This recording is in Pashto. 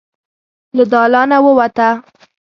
له دالانه ووته.